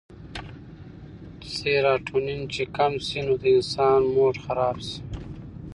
سيراټونين چې کم شي نو د انسان موډ خراب شي